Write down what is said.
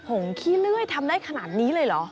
งขี้เลื่อยทำได้ขนาดนี้เลยเหรอ